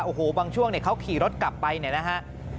โอ้โหบางช่วงเขาขี่รถกลับไปเนี่ยนะฮะ